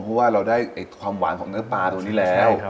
เพราะว่าเราได้ความหวานของเนื้อปลาตัวนี้แล้ว